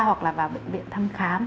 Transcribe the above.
hoặc là vào bệnh viện thăm khám